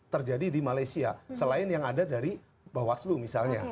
terjadi di malaysia selain yang ada dari bawaslu misalnya